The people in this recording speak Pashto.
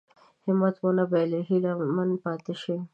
همت ونه بايلي هيله من پاتې شي.